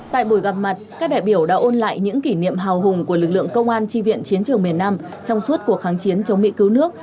tại buổi gặp mặt các đại biểu đã ôn lại những kỷ niệm hào hùng của lực lượng công an tri viện chiến trường miền nam trong suốt cuộc kháng chiến chống mỹ cứu nước